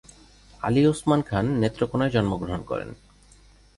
আলী ওসমান খান নেত্রকোণায় জন্মগ্রহণ করেন।